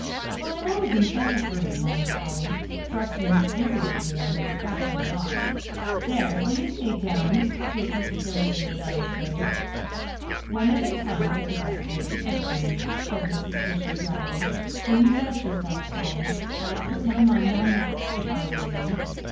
"Well, I'm always in such a hurry," mourned Polly, brushing furiously on the refractory locks. "There, will you stay down?" to a particularly rebellious wave. "One at a time is the best way to take things," said Mrs. Fisher dryly. "When you dress yourself, Polly, I'd put my mind on that, if I were you."